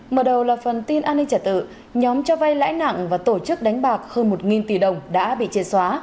mở đầu là phần tin an ninh trả tự nhóm cho vay lãi nặng và tổ chức đánh bạc hơn một tỷ đồng đã bị chê xóa